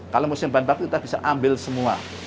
kalau musim bahan baku kita bisa ambil semua